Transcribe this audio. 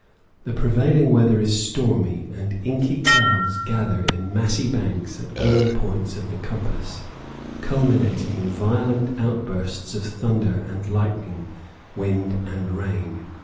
The prevailing weather is stormy, and inky clouds gather in massy banks at all points of the compass, culminating in violent outbursts of thunder and lightning, wind and rain.